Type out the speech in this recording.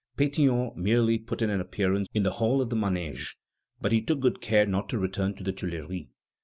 Pétion merely put in an appearance in the Hall of the Manège. But he took good care not to return to the Tuileries.